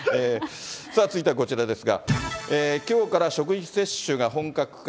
さあ、続いてはこちらですが、きょうから職域接種が本格化。